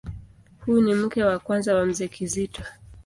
Huyu ni mke wa kwanza wa Mzee Kizito.